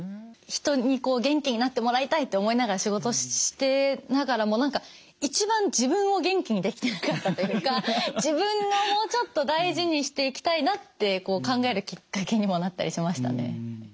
人に元気になってもらいたいって思いながら仕事してながらも何か一番自分を元気にできてなかったというか自分をもうちょっと大事にしていきたいなって考えるきっかけにもなったりしましたね。